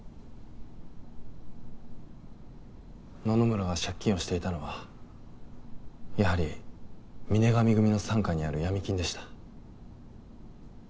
野々村が借金をしていたのはやはり峰上組の傘下にある闇金でした。